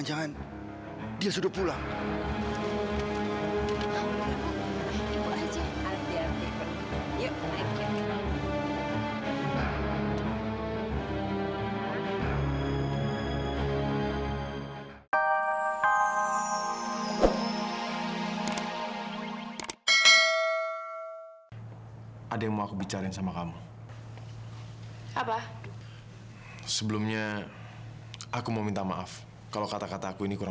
sampai jumpa di video selanjutnya